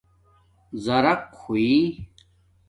زراق ہوئ